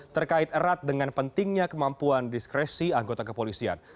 terkait erat dengan pentingnya kemampuan diskresi anggota kepolisian